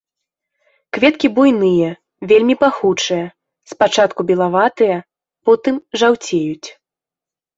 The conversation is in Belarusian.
Кветкі буйныя, вельмі пахучыя, спачатку белаватыя, потым жаўцеюць.